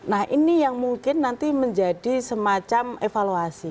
nah ini yang mungkin nanti menjadi semacam evaluasi